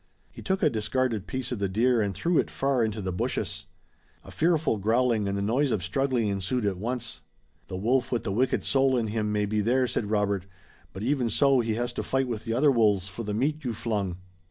He took a discarded piece of the deer and threw it far into the bushes. A fearful growling, and the noise of struggling ensued at once. "The wolf with the wicked soul in him may be there," said Robert, "but even so he has to fight with the other wolves for the meat you flung."